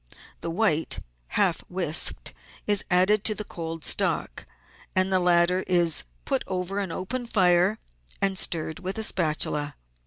The white, half whisked, is added to the cold stock, and the latter is put over an open fire and stirred with a spatula.